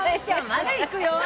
まだいくよ。